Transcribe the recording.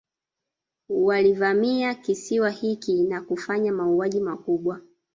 Walivamia kisiwa hiki na kufanya mauaji makubwa